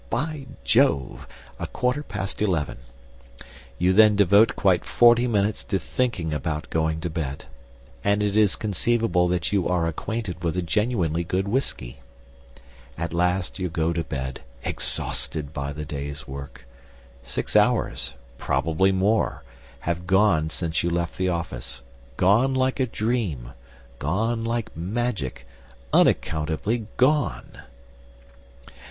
By Jove! a quarter past eleven. You then devote quite forty minutes to thinking about going to bed; and it is conceivable that you are acquainted with a genuinely good whisky. At last you go to bed, exhausted by the day's work. Six hours, probably more, have gone since you left the office gone like a dream, gone like magic, unaccountably gone!